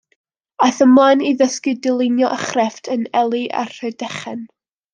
Aeth ymlaen i ddysgu dylunio a chrefft yn Ely a Rhydychen.